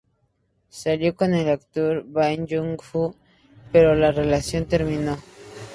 Salió con el actor Bae Yong-joon, pero la relación terminó.